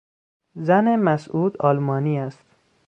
زن مسعود آلمانی است.